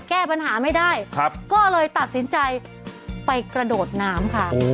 แก้ปัญหาไม่ได้ก็เลยตัดสินใจไปกระโดดน้ำค่ะ